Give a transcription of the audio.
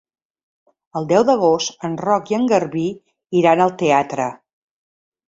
El deu d'agost en Roc i en Garbí iran al teatre.